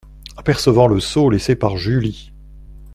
Apercevant le seau laissé par Julie.